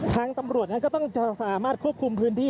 ทางตำรวจนั้นก็ต้องจะสามารถควบคุมพื้นที่